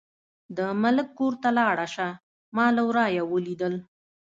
د ملک کور ته لاړه شه، ما له ورايه ولیدل.